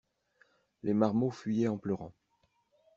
Des marmots fuyaient en pleurant.